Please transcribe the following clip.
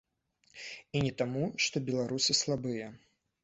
І не таму, што беларусы слабыя.